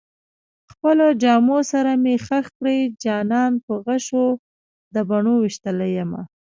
خپلو جامو سره مې خښ کړئ جانان په غشو د بڼو ويشتلی يمه